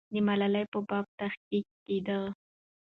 د ملالۍ په باب تحقیق کېده.